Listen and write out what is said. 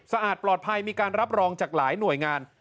อาจปลอดภัยมีการรับรองจากหลายหน่วยงาน